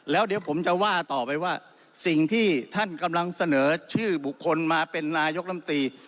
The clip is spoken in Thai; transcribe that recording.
แล้วเดี๋ยวผมจะว่าต่อไปว่าสิ่งที่ท่านกำลังเสนอชื่อบุคคลมาเป็นนายกลำตี